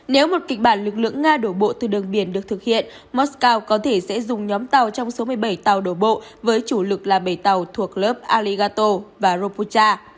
nếu một kịch bản lực lượng nga đổ bộ từ đường biển được thực hiện moscow có thể sẽ dùng nhóm tàu trong số một mươi bảy tàu đổ bộ với chủ lực là bảy tàu thuộc lớp aligato và ropucha